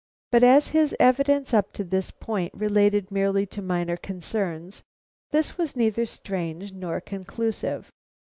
But as his evidence up to this point related merely to minor concerns, this was neither strange nor conclusive.